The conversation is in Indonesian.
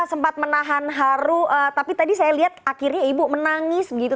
sempat menahan haru tapi tadi saya lihat akhirnya ibu menangis begitu